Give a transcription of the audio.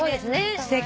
すてき。